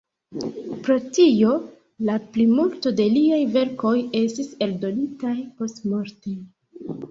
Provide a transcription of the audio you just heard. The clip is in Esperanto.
Pro tio la plimulto de liaj verkoj estis eldonitaj postmorte.